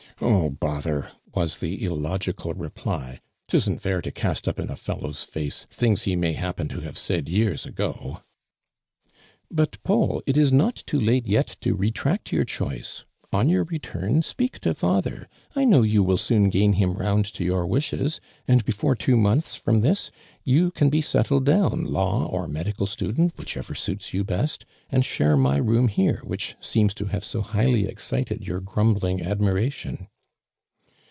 "Oh, bother!" was the illogical reply. "'T isn't fair to cast up in a fellow's face things he may happen to have said yeare ago." "But, Paul, it is not too late yet to retract your choice. On your return, speak to father. I know you will soon gain him round to your wishes, and before two months from this you can be settled down, law or niediottl student, whichever suits you best, and share my room here, which wjems to have so highly excited your grumbling ad miration.'